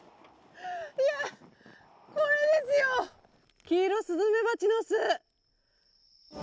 いや、これですよ、キイロスズメバチの巣。